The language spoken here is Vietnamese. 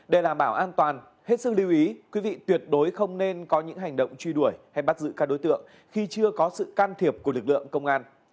để đảm bảo an toàn hết sức lưu ý quý vị tuyệt đối không nên có những hành động truy đuổi hay bắt giữ các đối tượng khi chưa có sự can thiệp của lực lượng công an